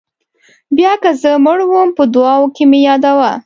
بیا که زه مړ وم په دعاوو کې مې یادوه.